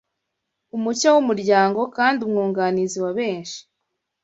umucyo w’umuryango kandi umwunganizi wa benshi;